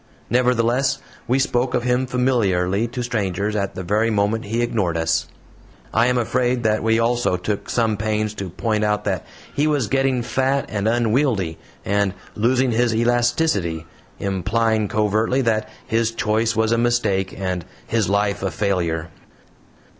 Nevertheless, we spoke of him familiarly to strangers at the very moment he ignored us. I am afraid that we also took some pains to point out that he was getting fat and unwieldy, and losing his elasticity, implying covertly that his choice was a mistake and his life a failure.